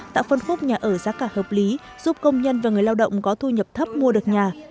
tạo phân khúc nhà ở giá cả hợp lý giúp công nhân và người lao động có thu nhập thấp mua được nhà